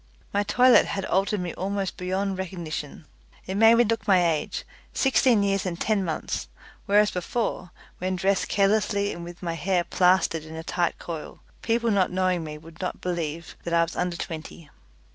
My toilet had altered me almost beyond recognition. It made me look my age sixteen years and ten months whereas before, when dressed carelessly and with my hair plastered in a tight coil, people not knowing me would not believe that I was under twenty.